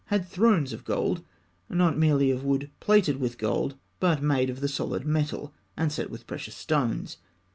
had thrones of gold not merely of wood plated with gold, but made of the solid metal and set with precious stones.